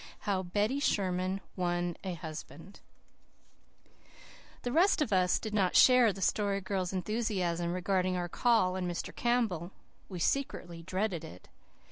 HOW BETTY SHERMAN WON A HUSBAND The rest of us did not share the Story Girl's enthusiasm regarding our call on Mr. Campbell. We secretly dreaded it.